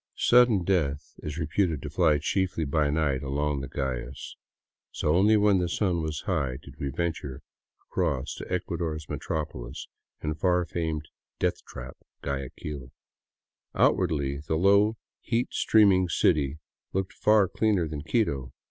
Sudden death is reputed to fly chiefly by night along the Guayas. So only when the sun was high did we venture across to Ecuador's metropolis and far famed death trap, Guayaquil. Outwardly, the low, heat steaming city looked far cleaner than Quito.